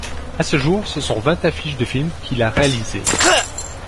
A ce jour, ce sont vingt affiches de films qu'il a réalisées.